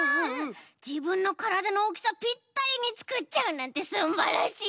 じぶんのからだのおおきさピッタリにつくっちゃうなんてすんばらしい！